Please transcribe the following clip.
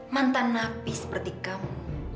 mantan napi seperti kamu